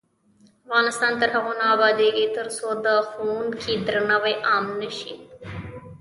افغانستان تر هغو نه ابادیږي، ترڅو د ښوونکي درناوی عام نشي.